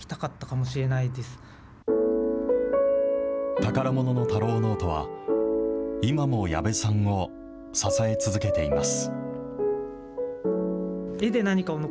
宝もののたろうノートは、今も矢部さんを支え続けています。